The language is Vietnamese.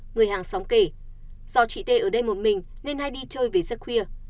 người hàng xóm kể do chị tê ở đây một mình nên hay đi chơi về giấc khuya